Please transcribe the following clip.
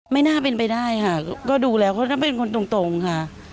ไม่น่าเป็นไปได้ค่ะก็ดูแล้วเขาต้องเป็นคนตรงค่ะ